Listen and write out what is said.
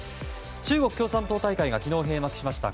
中国共産党大会が昨日閉幕しました。